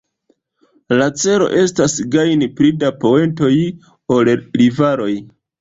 La celo estas gajni pli da poentoj ol rivaloj.